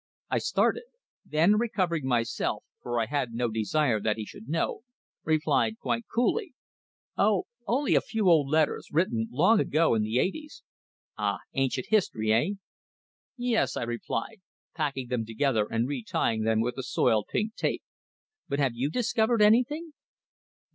I started. Then, recovering myself for I had no desire that he should know replied, quite coolly: "Oh, only a few old letters written long ago, in the eighties." "Ah! Ancient history, eh?" "Yes," I replied, packing them together and retying them with the soiled, pink tape. "But have you discovered anything?"